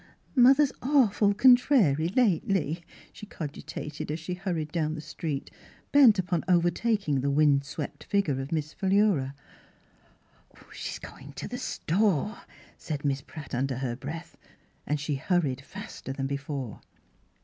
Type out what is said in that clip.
" Mother's awful contrary lately," she cogitated as she hurried down the street, bent upon overtaking the wind swept fig ure of Miss Philura. " She's goin' t' the store !" said Miss Pratt under her breath, and she hurried faster than before.